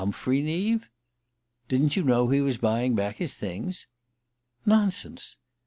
_ Humphrey Neave?" "Didn't you know he was buying back his things?" "Nonsense!"